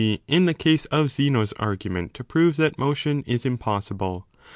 in the case of Zeno s argument to prove that motion is 20 impossible.